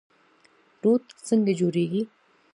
روټ څنګه جوړیږي؟